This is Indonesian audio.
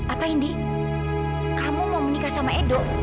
apa ini kamu mau menikah sama edo